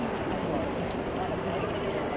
สวัสดีครับ